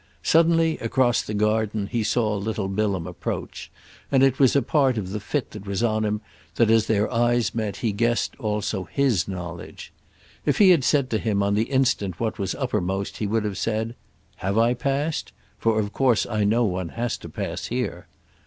Suddenly, across the garden, he saw little Bilham approach, and it was a part of the fit that was on him that as their eyes met he guessed also his knowledge. If he had said to him on the instant what was uppermost he would have said: "Have I passed?—for of course I know one has to pass here."